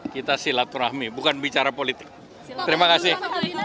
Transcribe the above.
kita silaturahmi bukan bicara politik terima kasih